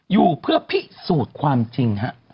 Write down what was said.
อยู่เพื่อพิสูจน์ความจริงฮะ